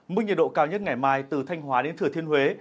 mức nhiệt độ cao nhất ngày mai từ thanh hóa đến thừa thiên huế